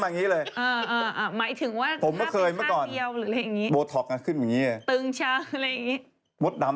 ต้องไปหาหมอหนูนะเสียผิดป่ะ